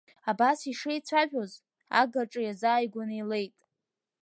Абас ишеицәажәоз, агаҿа иазааигәаны илеит.